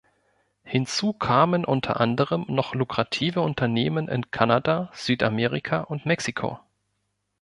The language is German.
Hinzu kamen unter anderem noch lukrative Unternehmen in Kanada, Südamerika und Mexiko.